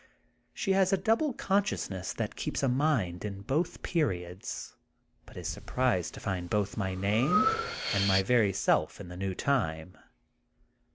She has a double conscious ness that keeps a mind in both periods, but is surprised to find both my name and my very self in the new time.